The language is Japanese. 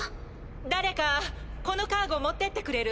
誰かこのカーゴ持ってってくれる？